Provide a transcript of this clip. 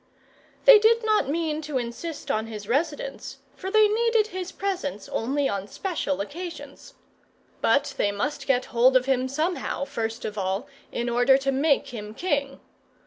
They did not mean to insist on his residence; for they needed his presence only on special occasions. But they must get hold of him somehow, first of all, in order to make him king.